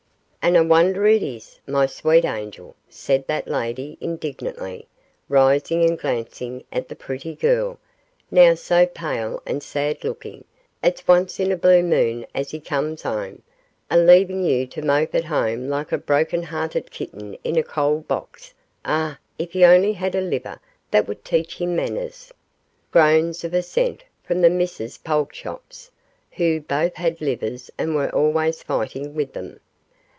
'And a wonder it is, my sweet angel,' said that lady, indignantly, rising and glancing at the pretty girl, now so pale and sad looking, 'it's once in a blue moon as he comes 'ome, a leaving you to mope at home like a broken hearted kitten in a coal box. Ah, if he only had a liver, that would teach him manners.' Groans of assent from the Misses Pulchops, who both had livers and were always fighting with them.